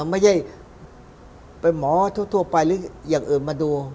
ไม่ใช่เป็นหมอทั่วไปหรืออย่างอื่นมาดู